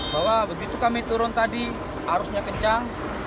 bahwa begitu kami turun tadi arusnya kencang